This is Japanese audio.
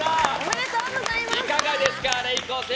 いかがですか？